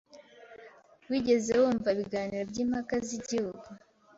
Wigeze wumva ibiganiro byimpaka zigihugu?